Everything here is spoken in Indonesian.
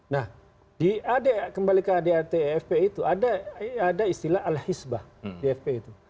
nah kembali ke adrt dan fpi itu ada istilah al hizbah di fpi itu